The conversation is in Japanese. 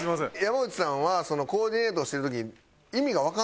山内さんはコーディネートしてる時。